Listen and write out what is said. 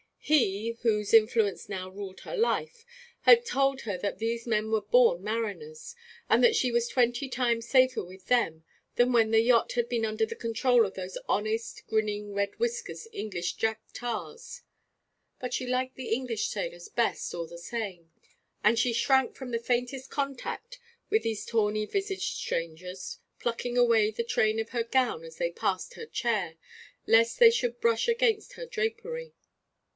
He, whose influence now ruled her life, had told her that these men were born mariners, and that she was twenty times safer with them than when the yacht had been under the control of those honest, grinning red whiskered English Jack Tars. But she liked the English sailors best, all the same; and she shrank from the faintest contact with these tawny visaged strangers, plucking away the train of her gown as they passed her chair, lest they should brush against her drapery.